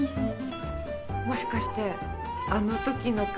もしかしてあの時の彼？